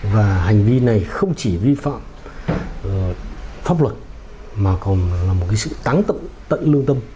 và hành vi này không chỉ vi phạm pháp luật mà còn là một sự táng tận lương tâm